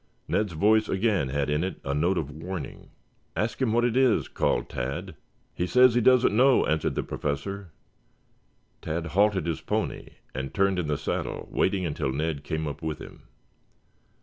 Ned's voice again had in it a note of warning. "Ask him what it is," called Tad. "He says he doesn't know," answered the Professor. Tad halted his pony and turned in the saddle waiting until Ned came up with him.